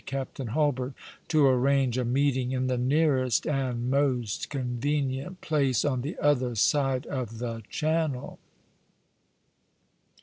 Captain Hulbert, to arrange a meeting in the nearest and most convenient place on the other side of the channel."